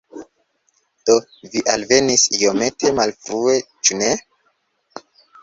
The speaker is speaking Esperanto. Do, vi alvenis iomete malfrue, ĉu ne?